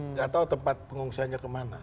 nggak tahu tempat pengungsiannya kemana